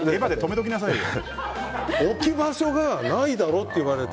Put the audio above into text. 置き場所がないだろって言われて。